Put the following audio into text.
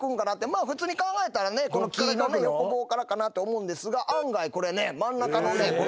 まあ普通に考えたらこの木のね横棒からかなって思うんですが案外これね真ん中のねこの缶という字のね